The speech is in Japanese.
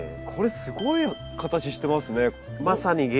これすごい形してますね。